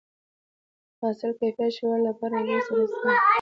د حاصل د کیفیت ښه والي لپاره عضوي سرې استعمال شي.